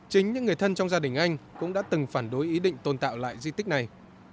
chính những người thân trong gia đình anh cũng đã từng phản đối ý định tồn tạo lại duy tích này